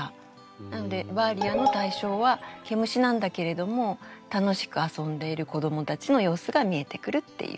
なので「バーリア」の対象は「毛虫」なんだけれども楽しく遊んでいる子どもたちの様子が見えてくるっていう。